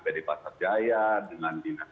pd pasar jaya dengan dinas